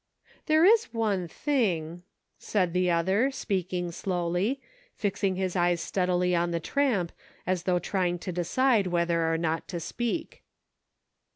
"There is one thing," said the other, speaking slowly, fixing his eyes steadily on the tramp, as though trying to decide whether or not to speak.